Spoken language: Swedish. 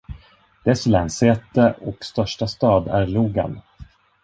Dess länssäte och största stad är Logan.